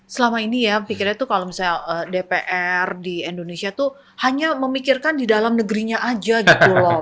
selama ini ya pikirnya tuh kalau misalnya dpr di indonesia tuh hanya memikirkan di dalam negerinya aja gitu loh